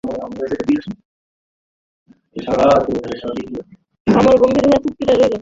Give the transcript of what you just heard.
অমল গম্ভীর হইয়া চুপ করিয়া রহিল।